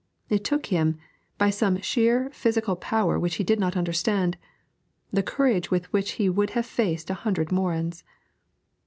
It took from him, by some sheer physical power which he did not understand, the courage with which he would have faced a hundred Morins.